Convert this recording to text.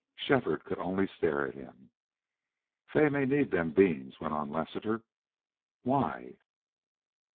Shefford could only stare at him. "Fay may need them beans," went on Lassiter. "Why?"